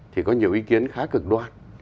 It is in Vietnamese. thì có nhiều ý kiến khá cực đoan